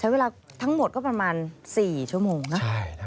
เวลาทั้งหมดก็ประมาณ๔ชั่วโมงนะ